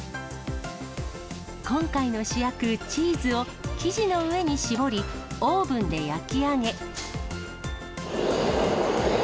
今回の主役、チーズを生地の上に絞り、オーブンで焼き上げ。